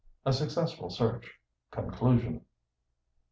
A SUCCESSFUL SEARCH CONCLUSION.